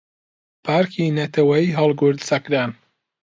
پارکی نەتەوەییی هەڵگورد سەکران